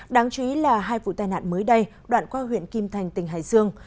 đáng chú ý là hai vụ tai nạn mới đây đoạn qua huyện kim thành tỉnh hải dương